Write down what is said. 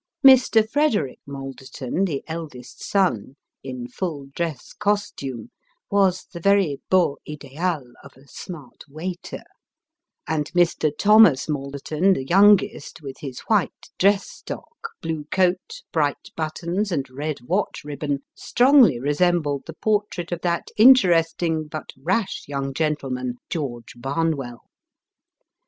Mr. Frederick Malderton, the eldest son, in full dress costume, was the very beau ideal of a smart waiter ; and Mr. Thomas Malderton, the youngest, with his white dress stock, blue coat, bright buttons, and red watch ribbon, strongly resembled the portrait of that interesting, but rash young gentleman, George Barnwell.